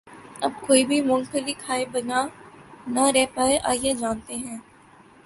اب کوئی بھی مونگ پھلی کھائے بنا نہ رہ پائے آئیے جانتے ہیں